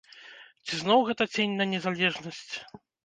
Ці зноў гэта цень на незалежнасць?